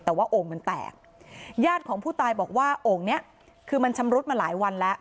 แต่ว่าโอ่งมันแตกญาติของผู้ตายบอกว่าโอ่งเนี้ยคือมันชำรุดมาหลายวันแล้ว